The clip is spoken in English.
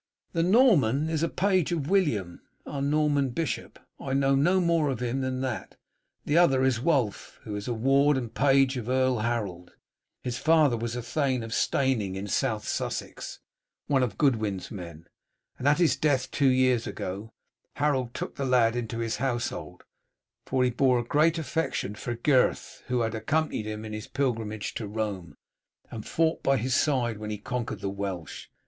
"The Norman is a page of William, our Norman bishop; I know no more of him than that the other is Wulf, who is a ward and page of Earl Harold. His father was thane of Steyning in South Sussex, one of Godwin's men, and at his death two years ago Harold took the lad into his household, for he bore great affection for Gyrth, who had accompanied him in his pilgrimage to Rome, and fought by his side when he conquered the Welsh.